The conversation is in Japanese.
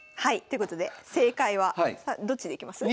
ということで正解はどっちでいきます？